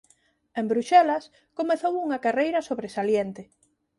En Bruxelas comezou unha carreira sobresaliente.